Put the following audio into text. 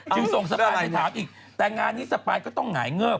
ส่งสปายไปถามอีกแต่งานนี้สปายก็ต้องหงายเงิบ